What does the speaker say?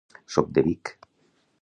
Soc de Vic.